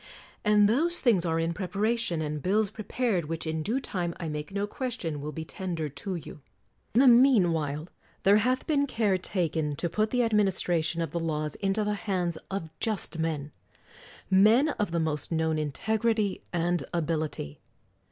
And those things are in preparation, and bills prepared, which in due time, I make no question, will be tendered to you. In the mean while there hath been care taken to put the ad ministration of the laws into the hands of just men; men of the most known integrity and ability.